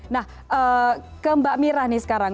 nah ke mbak mira nih sekarang